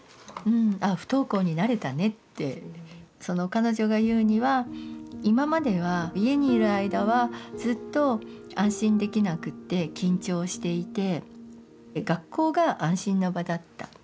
彼女が言うには今までは家にいる間はずっと安心できなくって緊張していて学校が安心な場だった。